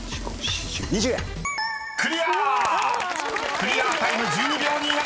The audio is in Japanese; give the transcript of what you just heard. ［クリアタイム１２秒２７］